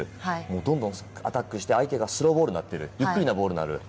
もうどんどんアタックして、相手がスローボールになっている、ゆっくりなボールになる。